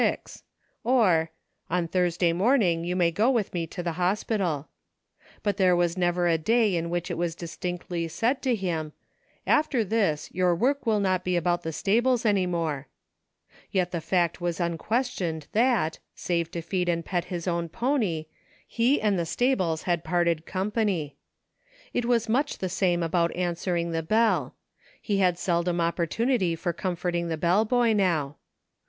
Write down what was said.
six ;" or, " On Thursday morning you may go with me to the hospital ;" but there was never a day in which it v/as distinctly said to him :" After this your work will not be about the stables any more ;" yet the fact was unquestioned that, save to feed and pet his own pony, he and the stables had parted company. It was much the same about answering the bell. He had seldom opportunity for comforting the bell boy now.